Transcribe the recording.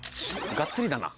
がっつりだな。